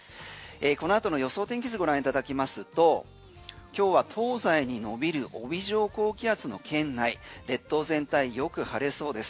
この後の予想天気図ご覧いただきますと今日は東西に延びる帯状高気圧の圏内列島全体よく晴れそうです。